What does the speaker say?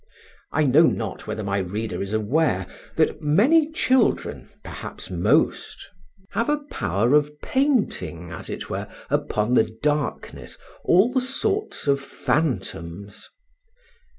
I know not whether my reader is aware that many children, perhaps most, have a power of painting, as it were upon the darkness, all sorts of phantoms.